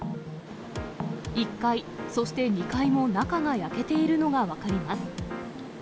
１階、そして２階も中が焼けているのが分かります。